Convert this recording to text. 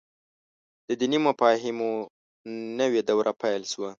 د دیني مفاهیمو نوې دوره پيل شوه.